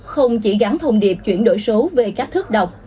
không chỉ gắn thông điệp chuyển đổi số về cách thức đọc